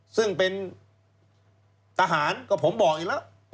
ซึ่งเป็นทหารก็ผมบอกอีกแล้ว